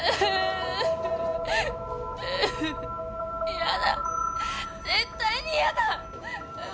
嫌だ絶対に嫌だ！